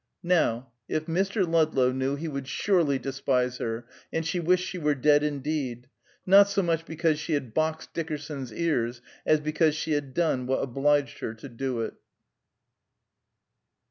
Now, if Mr. Ludlow knew, he would surely despise her, and she wished she were dead indeed: not so much because she had boxed Dickerson's ears as because she had done what obliged her to do it.